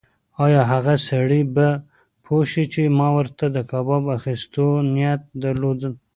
ایا هغه سړی به پوه شي چې ما ورته د کباب اخیستو نیت درلود؟